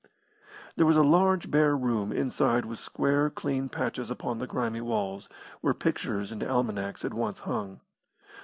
There was a large, bare room inside with square, clean patches upon the grimy walls, where pictures and almanacs had once hung.